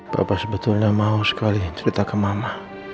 bapak sebetulnya mau sekali cerita ke mama